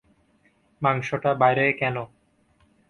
মাংসটা বাইরে কেন?